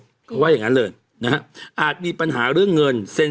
เขาว่าอย่างงั้นเลยนะฮะอาจมีปัญหาเรื่องเงินเซ็น